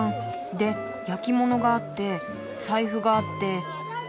で焼き物があって財布があって。